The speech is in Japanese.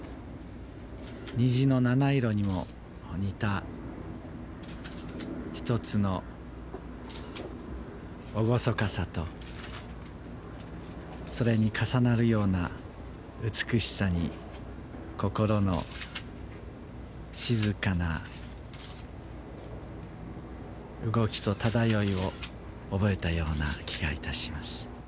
虹の七色にも似た一つの厳かさと、それに重なるような美しさに、心の静かな動きと漂いを覚えたような気がいたします。